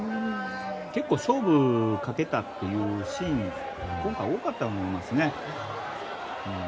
結構、勝負かけたシーンが今回、多かったと思いますね。